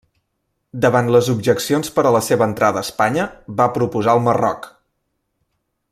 Davant les objeccions per a la seva entrada a Espanya, va proposar el Marroc.